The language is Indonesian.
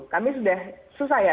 kami sudah susah ya